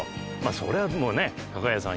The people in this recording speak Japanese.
そりゃもうね加賀屋さん